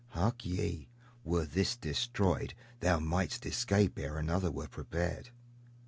Hark ye! were this destroyed, thou might'st escape ere another were prepared.